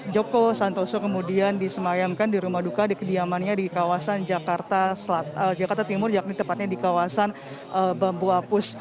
joko santoso kemudian disemayamkan di rumah duka di kediamannya di kawasan jakarta timur yakni tepatnya di kawasan bambu apus